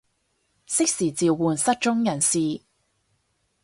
適時召喚失蹤人士